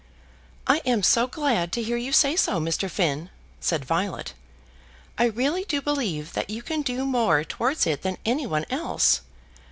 "I am so glad to hear you say so, Mr. Finn," said Violet. "I really do believe that you can do more towards it than any one else.